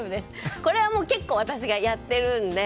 これは結構私がやってるので。